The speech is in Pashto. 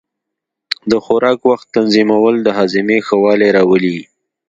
د خوراک وخت تنظیمول د هاضمې ښه والی راولي.